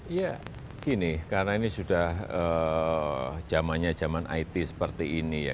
iya gini karena ini sudah zamannya zaman it seperti ini ya